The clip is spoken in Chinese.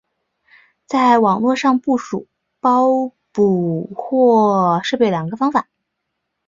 在网络上部署包捕获设备有两个方法。